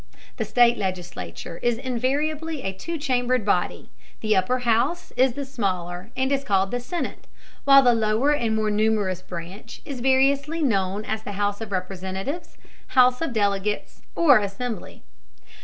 The state legislature is invariably a two chambered body; the upper house is the smaller and is called the senate, while the lower and more numerous branch is variously known as the house of representatives, house of delegates, or assembly.